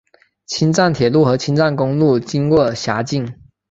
青藏铁路和青藏公路经过辖境。